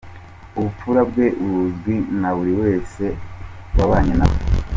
Ubupfura bwe buzwi na buri wese wabanye nawe.